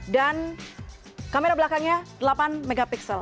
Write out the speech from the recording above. dan kamera belakangnya delapan megapiksel